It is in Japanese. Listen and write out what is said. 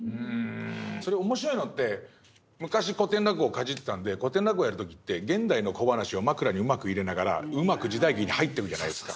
それ面白いのって昔古典落語をかじってたんで古典落語やる時って現代の小咄をマクラにうまく入れながらうまく時代劇に入っていくじゃないですか。